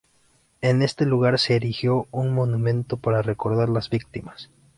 En este lugar se erigió un monumento para recordar a las víctimas.